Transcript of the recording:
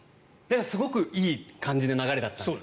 すごくいい感じの流れだったんです。